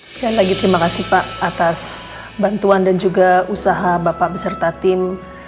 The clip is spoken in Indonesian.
sekali lagi terima kasih pak atas bantuan dan juga usaha bapak beserta tim